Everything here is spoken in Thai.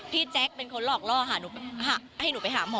แจ๊คเป็นคนหลอกล่อหาหนูให้หนูไปหาหมอ